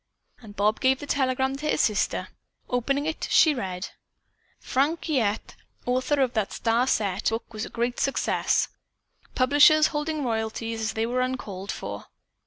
and Bob gave the telegram to his sister. Opening it, she read: "Franc Giguette, author of 'The Star that Set.' Book was great success! Publishers holding royalties, as they were uncalled for.